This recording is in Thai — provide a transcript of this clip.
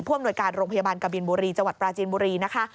อำนวยการโรงพยาบาลกบินบุรีจังหวัดปราจีนบุรีนะคะ